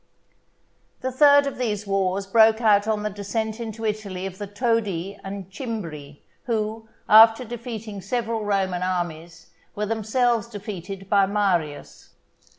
The third of these wars broke out on the descent into Italy of the Todi and Cimbri, who, after defeating several Roman armies, were themselves defeated by Marius.